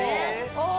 ああ！